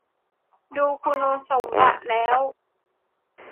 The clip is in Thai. ดูคุณสมบัติแล้ว